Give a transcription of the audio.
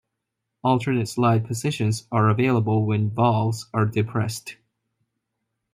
Alternate slide positions are available when valves are depressed.